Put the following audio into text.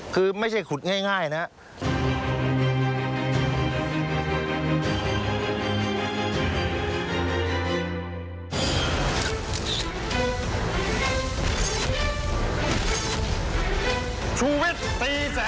คือไม่ใช่ขุดง่ายนะครับ